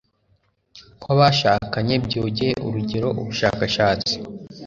kw'abashakanye byogeye urugero, ubushakashatsi